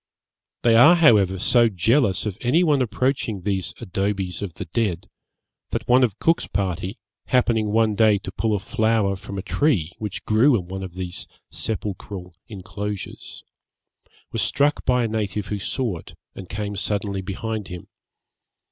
They are, however, so jealous of any one approaching these abodes of the dead, that one of Cook's party, happening one day to pull a flower from a tree which grew in one of these sepulchral inclosures, was struck by a native who saw it, and came suddenly behind him.